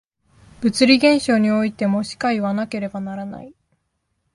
物理現象においてもしかいわなければならない。